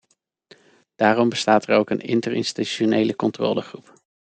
Daarom bestaat er ook een interinstitutionele controlegroep.